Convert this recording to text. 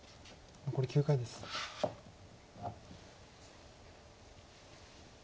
残り９回です。